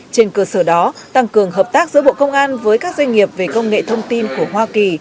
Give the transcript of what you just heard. trên cơ sở đó tăng cường hợp tác giữa bộ công an với các doanh nghiệp về công nghệ thông tin của hoa kỳ